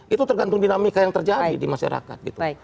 itu tergantung dinamika yang terjadi di masyarakat gitu